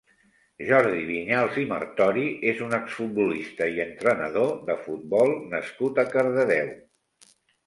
Jordi Vinyals i Martori és un exfutbolista i entrenador de futbol nascut a Cardedeu.